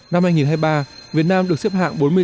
năm hai nghìn hai mươi ba việt nam được xếp hạng bốn mươi năm